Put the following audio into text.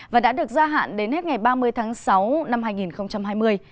và đã được gia hạn đến hết ngày ba mươi tháng sáu năm hai nghìn hai mươi